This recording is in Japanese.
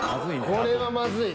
これはまずい。